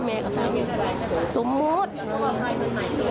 เมียก็ทำสมมติ